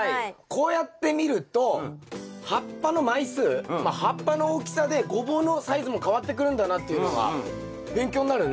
こうやって見ると葉っぱの枚数葉っぱの大きさでゴボウのサイズも変わってくるんだなっていうのが勉強になるね。